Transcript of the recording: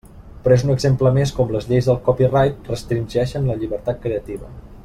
Però és un exemple més de com les lleis del copyright restringeixen la llibertat creativa.